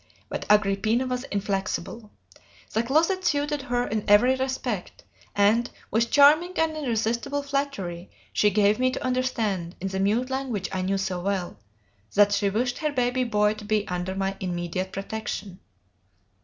But Agrippina was inflexible. The closet suited her in every respect; and, with charming and irresistible flattery, she gave me to understand, in the mute language I knew so well, that she wished her baby boy to be under my immediate protection.